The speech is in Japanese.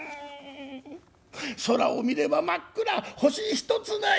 空を見れば真っ暗星一つない。